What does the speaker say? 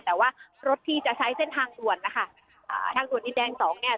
แต่ว่ารถที่จะใช้เส้นทางด่วนนะคะอ่าทางด่วนดินแดงสองเนี่ย